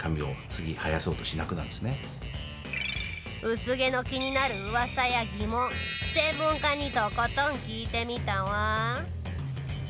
薄毛の気になるうわさや疑問専門家にとことん聞いてみたわ。